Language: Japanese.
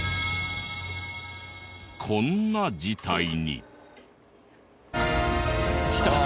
こんな事態に。来た。